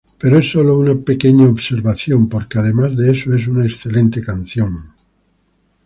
Pero es sólo una pequeña observación, porque, además de eso, es una excelente canción".